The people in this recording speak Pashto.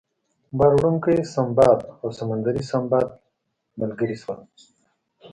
بار وړونکی سنباد او سمندري سنباد ملګري شول.